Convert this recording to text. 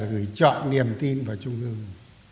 gửi chọn niềm tin vào trung ương